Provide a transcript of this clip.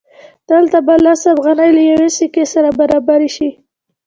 دلته به لس افغانۍ له یوې سکې سره برابرې شي